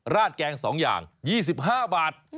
ราดแกง๒อย่าง๒๕บาท